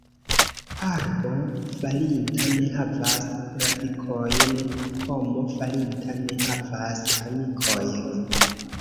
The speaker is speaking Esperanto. Arbo falinta ne havas radikojn, homo falinta ne havas amikojn.